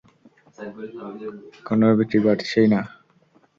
কনডমের বিক্রি বাড়ছেই না।